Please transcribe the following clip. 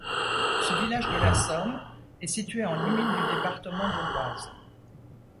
Ce village de la Somme est situé en limite du département de l'Oise.